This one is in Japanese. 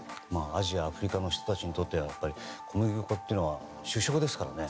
アジア、アフリカの人たちにとって小麦粉は主食ですからね。